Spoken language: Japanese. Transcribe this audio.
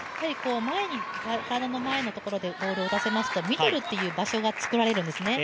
体の前のところでボールを打たせますとミドルという場所が作られるんですね。